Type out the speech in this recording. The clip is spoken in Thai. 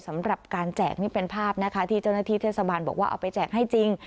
สำหรับการแจกนี่เป็นภาพนะคะที่เจ้าหน้าที่เทศบาลบอกว่าเอาไปแจกให้จริง